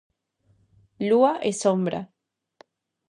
Lúa e sombra.